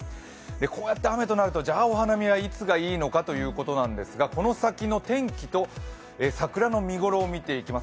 こうやって雨となるとお花見はいつがいいのかということなんですがこの先の天気と桜の見頃を見ていきます。